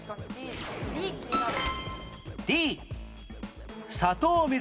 Ｄ気になる。